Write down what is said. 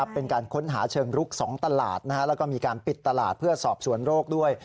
เป็นการค้นหาเชิงรุก๒ตลาดแล้วก็มีการปิดตลาดเพื่อสอบสวนโรคด้วย